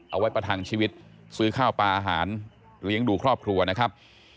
ประทังชีวิตซื้อข้าวปลาอาหารเลี้ยงดูครอบครัวนะครับ